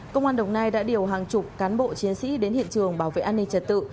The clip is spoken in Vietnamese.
công an đồng nai đã điều hàng chục cán bộ chiến sĩ đến hiện trường bảo vệ an ninh trật tự